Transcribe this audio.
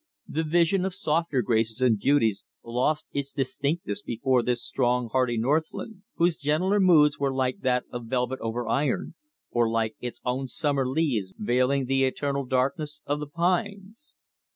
The vision of softer graces and beauties lost its distinctness before this strong, hardy northland, whose gentler moods were like velvet over iron, or like its own summer leaves veiling the eternal darkness of the pines.